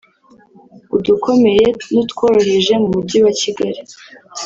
udukomeye n’utworoheje mu Mujyi wa Kigali